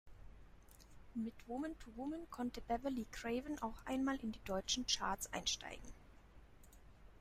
Mit "Woman to Woman" konnte Beverley Craven auch einmal in die deutschen Charts einsteigen.